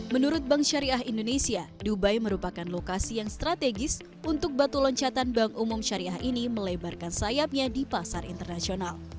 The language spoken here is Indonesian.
menurut bank syariah indonesia dubai merupakan lokasi yang strategis untuk batu loncatan bank umum syariah ini melebarkan sayapnya di pasar internasional